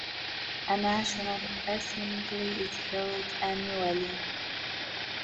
A national assembly is held annually.